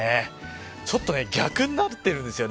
ちょっと逆になってるんですよね。